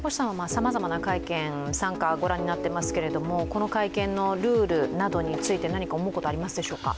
さまざまな会見、参加、ご覧になっていますけれども、この会見のルールなどについて何か思うことはありますでしょうか？